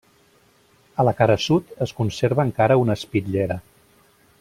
A la cara sud es conserva encara una espitllera.